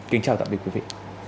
kính chào tạm biệt quý vị